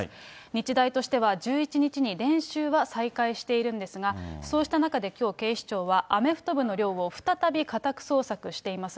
日大としては１１日に練習は再開しているんですが、そうした中できょう、警視庁はアメフト部の寮を再び家宅捜索しています。